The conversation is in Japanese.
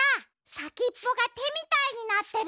さきっぽがてみたいになってる。